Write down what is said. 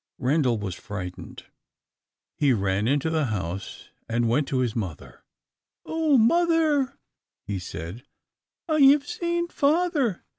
Randal was frightened. He ran into the house, and went to his mother. "Oh, mother," he said, "I have seen father!